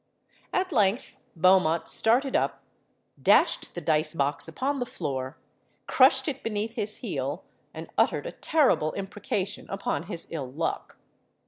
At length Beaumont started up, dashed the dice box upon the floor, crushed it beneath his heel, and uttered a terrible imprecation upon his ill luck.